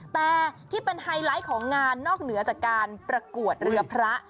แต่ที่เป็นไฮไลท์ของงานนอกเหนือจากการประกวดเรือพระ